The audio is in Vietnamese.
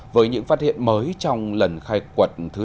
với những phát hiện mới trong lần khai quật thứ năm